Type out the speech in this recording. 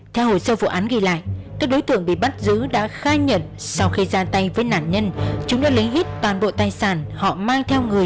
theo hồ sơ vụ án ghi lại các đối tượng bị bắt giữ đã khai nhận sau khi ra tay với nạn nhân chúng đã lấy hết toàn bộ tài sản họ mang theo người